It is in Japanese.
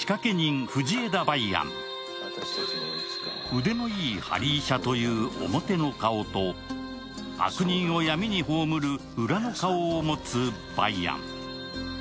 腕のいい、はり医者という表の顔と、悪人を闇に葬る裏の顔を持つ梅安。